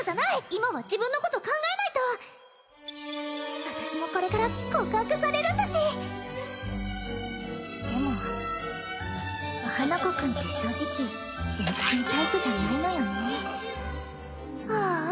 今は自分のこと考えないと私もこれから告白されるんだしでも花子くんって正直全然タイプじゃないのよねああ